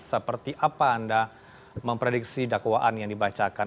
seperti apa anda memprediksi dakwaan yang dibacakan